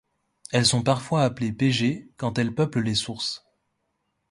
Elles sont parfois appelées pégées quand elles peuplent les sources.